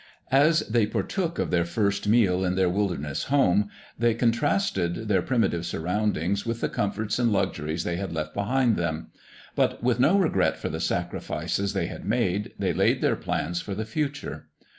As they partook of their first meal in their wilderness home they contrasted their primitive surroundings with the comforts and luxuries they had left behind them; but, with no regret for the sacrifices they had made, they laid their plans for the future.